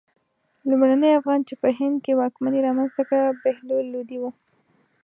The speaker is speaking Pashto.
لومړني افغان چې په هند کې واکمني رامنځته کړه بهلول لودی و.